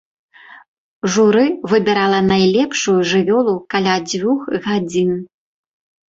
Журы выбірала найлепшую жывёлу каля дзвюх гадзін.